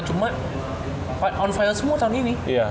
cuma on file semua tahun ini